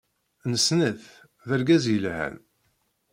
Nessen-it, d argaz yelhan.